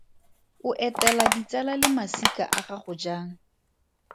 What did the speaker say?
O etela ditsala le masika a gago jang?